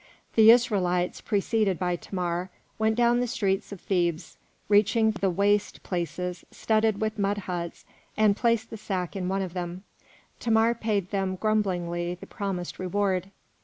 The Israelites, preceded by Thamar, went down the streets of Thebes, reached the waste places studded with mud huts and placed the sack in one of them. Thamar paid them grumblingly the promised reward.